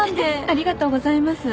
ありがとうございます。